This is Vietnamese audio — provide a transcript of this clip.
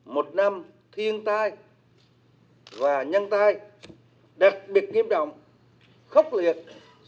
một năm thiên tai và nhân tai đặc biệt nghiêm trọng khốc liệt